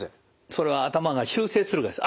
それは頭が修正するからです。